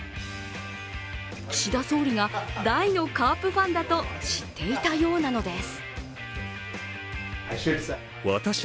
岸田総理が大のカープファンだと知っていたようなのです。